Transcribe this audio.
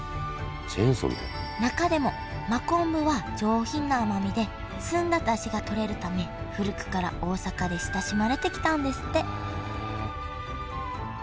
中でも真昆布は上品な甘みで澄んだダシがとれるため古くから大阪で親しまれてきたんですって